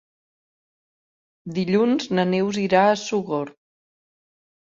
Dilluns na Neus irà a Sogorb.